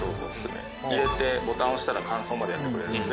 入れてボタンを押したら乾燥までやってくれるので。